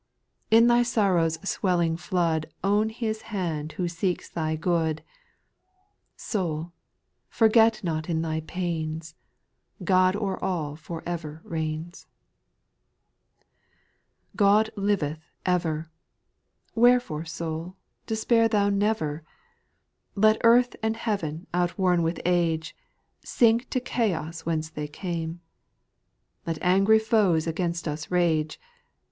In thy sorrow's swelling flood Own His hand who seeks thy good. Soul, forget not in thy pains, God o'er all for ever reigns 1 7. God liveth ever I Wherefore, soul, despair thou never I Let earth and heaven outworn with age, Sink to the chaos whence they came ; Let angry foes against us rage.